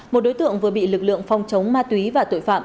một đối tượng vừa bị lực lượng phòng chống ma túy và tội phạm